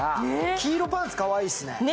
黄色パンツ、かわいいですね。